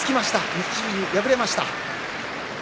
錦富士、敗れました。